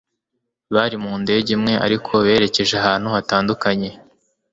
Bari mu ndege imwe ariko berekeje ahantu hatandukanye.